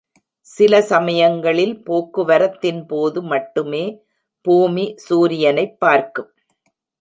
சிலசமயங்களில், போக்குவரத்தின்போது மட்டுமே பூமி சூரியனப் பார்க்கும்.